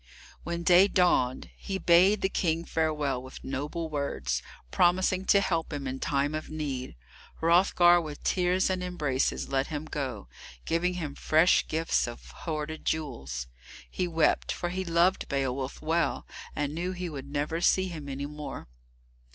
When day dawned, he bade the King farewell with noble words, promising to help him in time of need. Hrothgar with tears and embraces let him go, giving him fresh gifts of hoarded jewels. He wept, for he loved Beowulf well, and knew he would never see him any more.